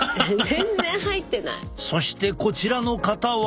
そしてこちらの方は。